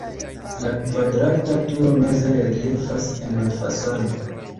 La kvadrata turo meze reliefas en la fasado.